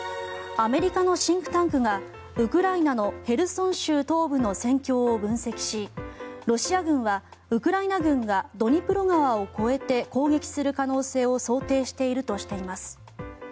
アメリカのシンクタンクがウクライナのヘルソン州東部の戦況を分析しロシア軍はウクライナ軍がドニプロ川を越えて攻撃する可能性を想定しているとしています。